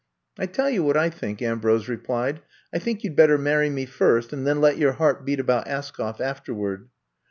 I tell you what I think," Ambrose re plied ; I think you 'd better marry me first and then let your heart beat about Askoff afterward.